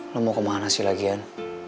lo mau kemana sih lagian